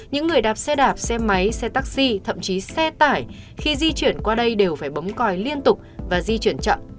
những người đạp xe đạp xe máy xe taxi thậm chí xe tải khi di chuyển qua đây đều phải bấm coi liên tục và di chuyển chậm